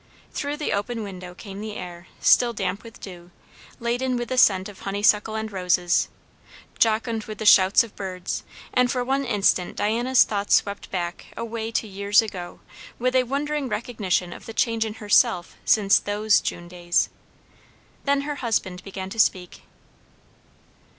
Through the open window came the air, still damp with dew, laden with the scent of honeysuckle and roses, jocund with the shouts of birds; and for one instant Diana's thoughts swept back away to years ago, with a wondering recognition of the change in herself since those June days. Then her husband began to speak.